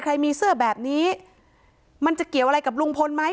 ใครมีเสื้อแบบนี้มันจะเกี่ยวอะไรกับลุงพลไหม